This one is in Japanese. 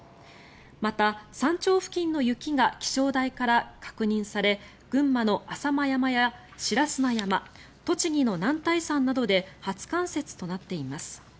また、山頂付近の雪が気象台から確認され群馬の浅間山や白砂山栃木の男体山などで初冠雪となっています。